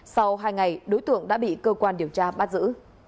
sau hai ngày đối tượng đã bị cơ quan điều tra bắt giữ